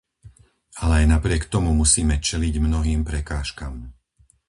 Ale aj napriek tomu musíme čeliť mnohým prekážkam.